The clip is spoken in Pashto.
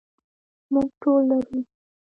موږ ټول لرو.